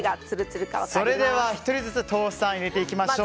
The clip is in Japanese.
それでは１人ずつトースターに入れていきましょう。